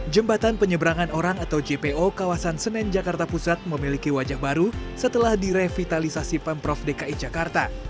jembatan penyeberangan orang atau jpo kawasan senen jakarta pusat memiliki wajah baru setelah direvitalisasi pemprov dki jakarta